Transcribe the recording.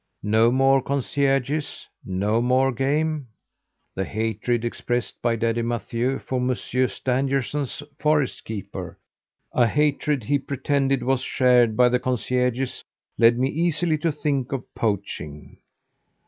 No more concierges, no more game! The hatred expressed by Daddy Mathieu for Monsieur Stangerson's forest keeper a hatred he pretended was shared by the concierges led me easily to think of poaching.